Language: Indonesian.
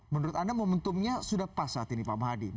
menurut anda momentumnya sudah pas saat ini pak mahadi